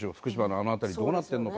あの辺りどうなってるのか。